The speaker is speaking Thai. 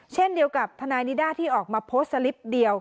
เช่นเดียวกับทนายนิด้าที่ออกมาโพสต์สลิปเดียว